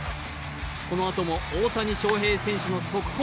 このあとも大谷翔平選手の側方、